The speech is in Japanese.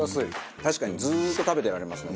確かにずっと食べてられますねこれ。